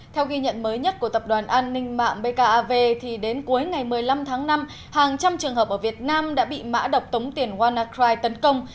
theo ghi nhận mới nhất của tập đoàn an ninh mạng bkav thì đến cuối ngày một mươi năm tháng năm hàng trăm trường hợp ở việt nam đã bị mã độc tống tiền wannacry tấn công